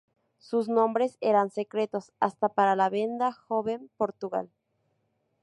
Sus nombres eran secretos hasta para la "Venda Jovem-Portugal".